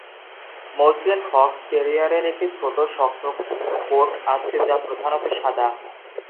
মসৃণ ফক্স টেরিয়ারের একটি ছোট, শক্ত কোট আছে যা প্রধানত সাদা।